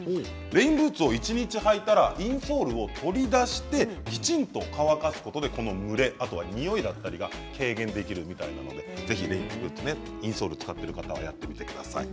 レインブーツを一日履いたらインソールを取り出してきちんと乾かすことで蒸れやにおいが軽減できるのでインソールを使っている方はやってみてください。